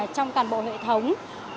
trong toàn bộ hệ thống